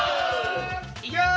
いきまーす！